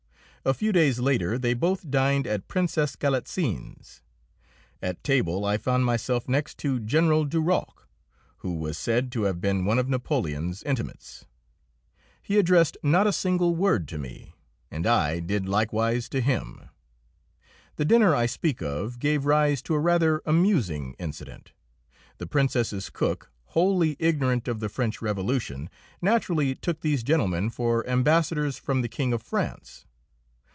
A few days later they both dined at Princess Galitzin's. At table I found myself next to General Duroc, who was said to have been one of Napoleon's intimates. He addressed not a single word to me, and I did likewise with him. The dinner I speak of gave rise to a rather amusing incident. The Princess's cook, wholly ignorant of the French Revolution, naturally took these gentlemen for ambassadors from the King of France.